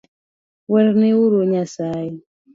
Werne uru nyasae